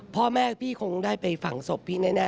พ่อแม่พี่คงได้ไปฝังศพพี่แน่